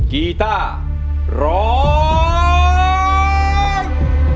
กีต้าร้อง